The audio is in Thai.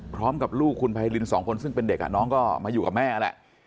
พร้อมกับลูกคุณไพรินสองคนซึ่งเป็นเด็กน้องก็มาอยู่กับแม่นั่นแหละ